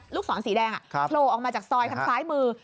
ศรสีแดงโผล่ออกมาจากซอยทางซ้ายมือ